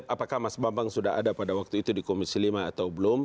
apakah mas bambang sudah ada pada waktu itu di komisi lima atau belum